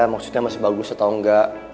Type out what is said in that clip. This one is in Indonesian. maksudnya masih bagus atau enggak